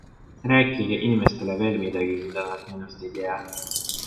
Rääkige inimestele veel midagi, mida nad minust ei tea.